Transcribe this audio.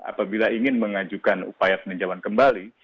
apabila ingin mengajukan upaya peninjauan kembali